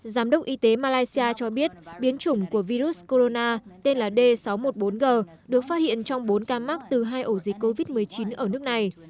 giám đốc y tế malaysia cho biết biến chủng của virus corona tên là d sáu trăm một mươi bốn g được phát hiện trong bốn ca mắc từ hai ổ dịch covid một mươi chín ở nước này